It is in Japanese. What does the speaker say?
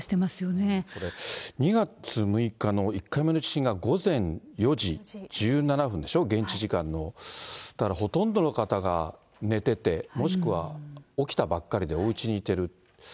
これ、２月６日の１回目の地震が午前４時１７分でしょ、現地時間の。だからほとんどの方が寝てて、もしくは起きたばっかりでおうちにいてる。